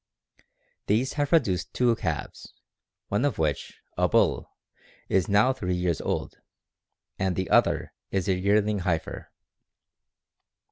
These have produced two calves, one of which, a bull, is now three years old, and the other is a yearling heifer.